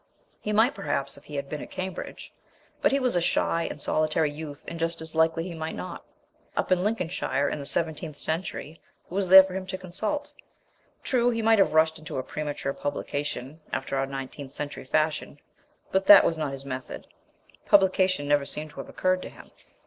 He might, perhaps, if he had been at Cambridge, but he was a shy and solitary youth, and just as likely he might not. Up in Lincolnshire, in the seventeenth century, who was there for him to consult? True, he might have rushed into premature publication, after our nineteenth century fashion, but that was not his method. Publication never seemed to have occurred to him.